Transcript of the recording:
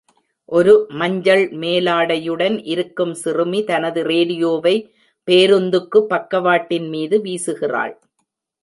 ஒரு மஞ்சள் மேலாடையுடன் இருக்கும் சிறுமி தனது ரேடியோவை பேருந்துக்கு பக்காவட்டின் மீது வீசுகிறாள்.